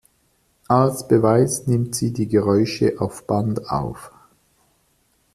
Als Beweis nimmt sie die Geräusche auf Band auf.